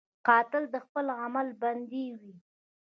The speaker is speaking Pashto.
قاتل د خپل عمل بندي وي